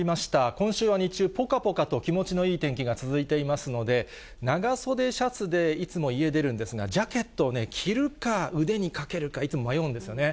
今週は日中、ぽかぽかと気持ちのいい天気が続いていますので、長袖シャツでいつも家出るんですが、ジャケットを着るか、腕にかけるか、いつも迷うんですよね。